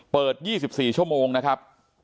เปิด๒๔ชั่วโมงนะครับ